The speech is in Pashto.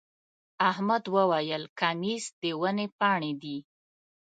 احمد وويل: کمیس د ونې پاڼې دی.